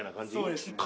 そうですね。